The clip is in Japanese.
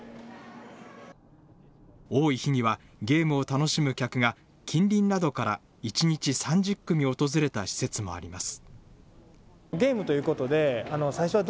多い日には、ゲームを楽しむ客が近隣などから１日３０組訪れた施設もあります。